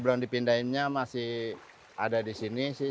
belum dipindahinnya masih ada di sini sih